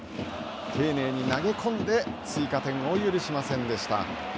丁寧に投げ込んで追加点を許しませんでした。